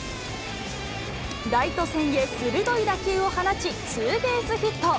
ライト線へ鋭い打球を放ち、ツーベースヒット。